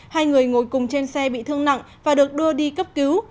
hai người ngồi cùng trên xe bị thương nặng và được đưa đi cấp cứu